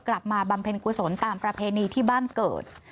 บำเพ็ญกุศลตามประเพณีที่บ้านเกิด